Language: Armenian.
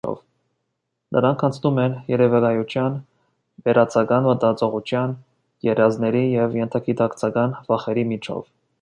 Նրանք անցնում են երևակայության, վերացական մտածողության, երազների և ենթագիտակցական վախերի միջով։